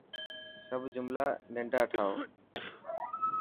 سب جملا ننڊا ٺائو.